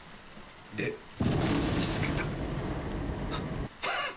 で見つけた。